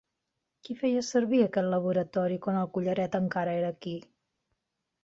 Qui feia servir aquest laboratori quan el collaret encara era aquí?